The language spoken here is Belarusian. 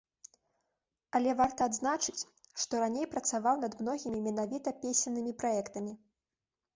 Але варта адзначыць, што раней працаваў над многімі менавіта песеннымі праектамі.